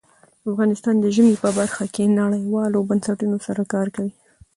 افغانستان د ژمی په برخه کې نړیوالو بنسټونو سره کار کوي.